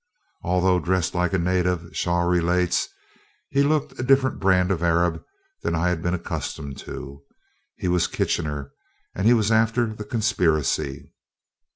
Although dressed like a native, Shaw relates, "he looked a different brand of Arab than I had been accustomed to. He was Kitchener. He was after the conspiracy.